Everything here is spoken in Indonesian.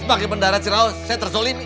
sebagai bendahara secieros saya terzolini